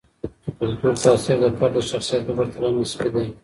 د کلتور تاثیر د فرد د شخصیت په پرتله نسبي دی.